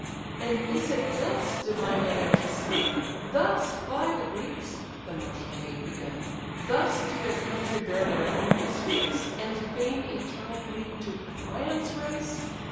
"And is it thus, divine Laertes' son, Thus fly the Greeks (the martial maid begun), Thus to their country bear their own disgrace, And fame eternal leave to Priam's race?